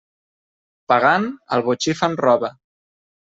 Pagant, al botxí fan roba.